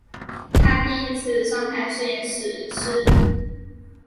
她第一次上台是演死尸。